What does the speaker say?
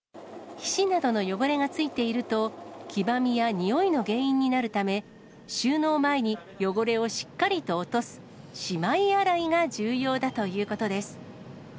皮脂などの汚れがついていると、黄ばみやにおいの原因になるため、収納前に汚れをしっかりと落とす、しまい洗いが重要だということです。